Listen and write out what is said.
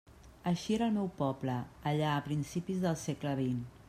Així era el meu poble allà a principis del segle xx.